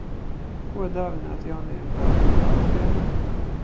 Ko dāvināt jaunajam pārim kāzu dienā?